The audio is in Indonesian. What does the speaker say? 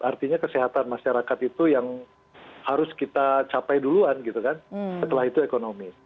artinya kesehatan masyarakat itu yang harus kita capai duluan gitu kan setelah itu ekonomi